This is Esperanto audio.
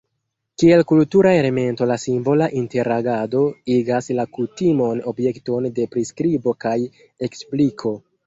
Kiel kultura elemento la simbola interagado igas la kutimon objekton de priskribo kaj ekspliko.